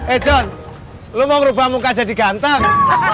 eh john lo mau merubah muka jadi ganteng